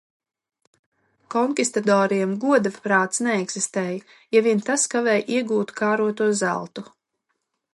Konkistadoriem goda prāts neeksistēja, ja vien tas kavēja iegūt kāroto zeltu.